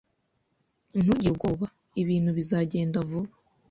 Ntugire ubwoba. Ibintu bizagenda vuba.